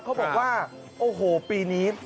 เขาบอกว่าโอ้โหปีนี้